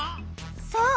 そう！